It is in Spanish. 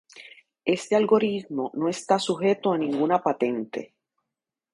Este algoritmo no está sujeto a ninguna patente.